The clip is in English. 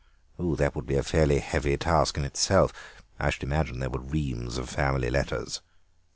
"That would be a fairly heavy task in itself. I should imagine there were reams of family letters."